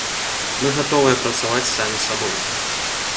Мы гатовыя працаваць самі сабой.